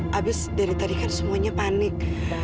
habis dari tadi kan semuanya panik